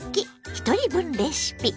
ひとり分レシピ」。